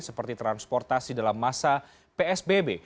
seperti transportasi dalam masa psbb